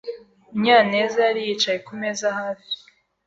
Munyanez yari yicaye kumeza hafi.